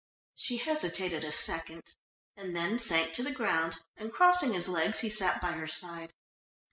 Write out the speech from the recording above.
She hesitated a second, and then sank to the ground, and crossing his legs he sat by her side.